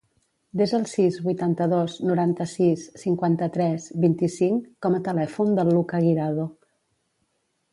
Desa el sis, vuitanta-dos, noranta-sis, cinquanta-tres, vint-i-cinc com a telèfon del Lucca Guirado.